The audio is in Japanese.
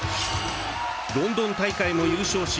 ロンドン大会も優勝し